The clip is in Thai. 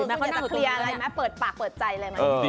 คุณอยากจะเคลียร์อะไรมั้ยเปิดปากเปิดใจเลยมั้ย